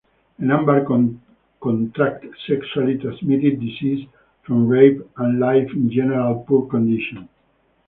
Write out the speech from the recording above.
A number contract sexually transmitted diseases from rape and live in generally poor condition.